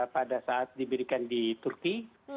pada saat diberikan di turki